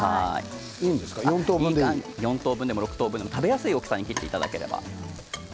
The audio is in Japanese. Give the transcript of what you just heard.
４等分でも６等分でも食べやすい大きさに切っていただければ。